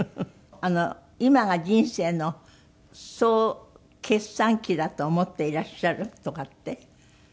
今が人生の総決算期だと思っていらっしゃるとかって。